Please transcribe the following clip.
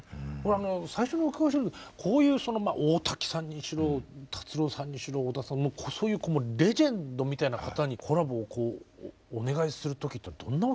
最初にお伺いしたいのはこういうその大滝さんにしろ達郎さんにしろ小田さんそういうレジェンドみたいな方にコラボをお願いする時ってどんなお気持ちなんですか？